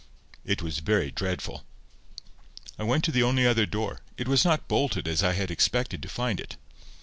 It was very dreadful. I went to the only other door. It was not bolted as I had expected to find it.